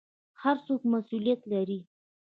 هر څوک مسوولیت لري